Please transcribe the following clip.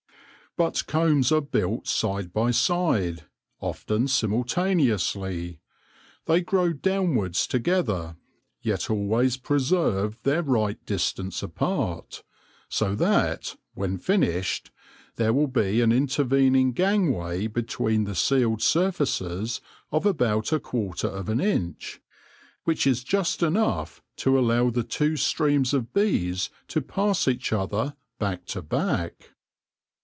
But combs are built side by side, often simultane ously. They grow downwards together, yet always preserve their right distance apart ; so that, when finished, there will be an intervening gangway be tween the sealed surfaces of about a quarter of an inch, which is just enough to allow the two streams of bees to pass each other, back to back.